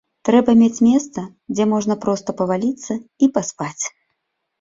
Трэба мець месца, дзе можна проста паваліцца і паспаць.